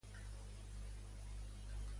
Quants diners val l'imant necessari?